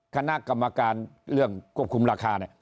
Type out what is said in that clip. คณะกรรมการเรื่องควบคุมราคาเนี่ย